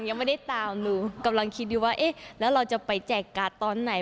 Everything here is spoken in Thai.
ยังไม่ได้ตามหนูกำลังคิดอยู่ว่าเอ๊ะแล้วเราจะไปแจกการ์ดตอนไหน